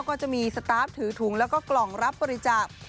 ก็จะมีสตาร์ฟถือถุงแล้วก็กล่องรับบริจาค